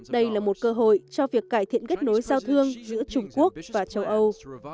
đây là một cơ hội cho việc cải thiện kết nối giao thương giữa trung quốc và châu âu